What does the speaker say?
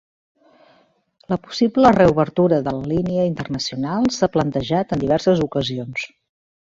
La possible reobertura de la línia internacional s'ha plantejat en diverses ocasions.